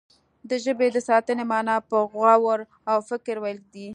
د ژبې د ساتنې معنا په غور او فکر ويل دي.